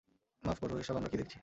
মাফ কোরো, এসব আমরা কী দেখছি?